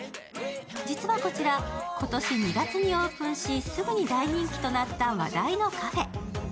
実はこちら、今年２月にオープンしすぐに大人気となった話題のカフェ。